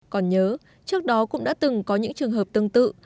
còn nhớ trước đó cũng đã từng có những trường hợp tương tự